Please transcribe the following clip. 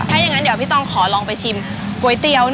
ถ้าอย่างนั้นเดี๋ยวพี่ตองขอลองไปชิมก๋วยเตี๋ยว